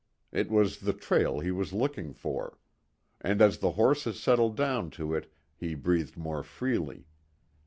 It was the trail he was looking for. And as the horses settled down to it he breathed more freely.